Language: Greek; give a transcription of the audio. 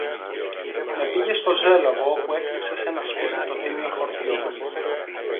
Και πήγε στο Ζέλοβο όπου έκρυψε σ' ένα σπίτι το τίμιο φορτίο του